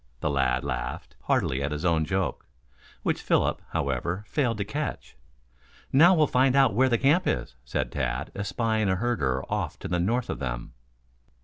The lad laughed heartily at his own joke, which Philip, however, failed to catch. "Now we'll find out where the camp is," said Tad, espying a herder off to the north of them.